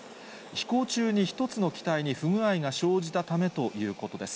飛行中に１つの機体に不具合が生じたためということです。